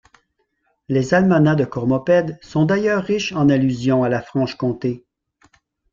Les almanachs de Cormopede sont d’ailleurs riches en allusion à la Franche-Comté.